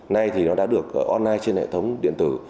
nay thì nó đã được online trên hệ thống điện tử